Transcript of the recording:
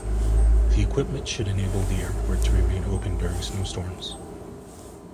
The equipment should enable the airport to remain open during snowstorms.